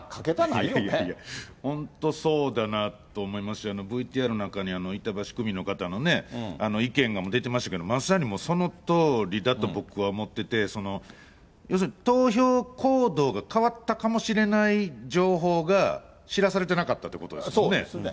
いやいやいや、本当そうだなと思いますし、ＶＴＲの中に、板橋区民の方の意見が出てましたけど、まさに、もうそのとおりだと僕は思ってて、要するに投票行動が変わったかもしれない情報が知らされてなかっそうですね。